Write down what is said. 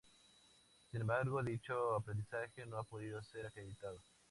Sin embargo, dicho aprendizaje no ha podido ser acreditado.